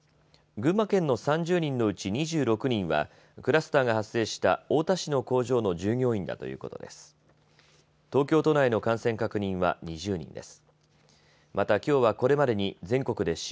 群馬県の３０人のうち２６人はクラスターが発生した太田市の工場の従業員だということです。